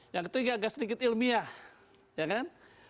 yang ketiga agak sedikit ilmiah ya kan